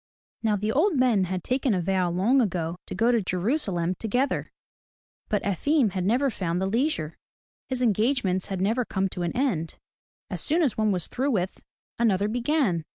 Now the old men had taken a vow long ago to go to Jerusalem together, but Efim had never found the leisure, — his engagements had never come to an end. As soon as one was through with, another began.